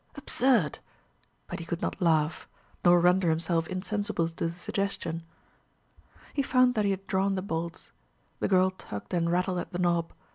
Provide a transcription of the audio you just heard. Absurd! But he could not laugh nor render himself insensible to the suggestion. He found that he had drawn the bolts. The girl tugged and rattled at the knob.